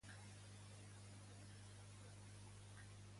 Què comenta Plató que l'importava a Cinèsies?